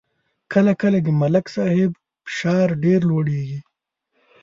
کله کله د ملک صاحب فشار ډېر لوړېږي.